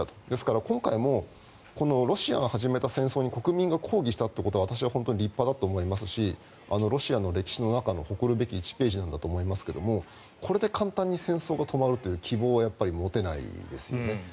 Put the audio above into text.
ですから今回もロシアを始めた戦争に国民が抗議したことは私は本当に立派だと思いますしロシアの歴史の中の誇るべき１ページなんだと思いますがこれで簡単に戦争が終わるという希望はやっぱり持てないですね。